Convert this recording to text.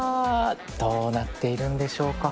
どうなっているんでしょうか。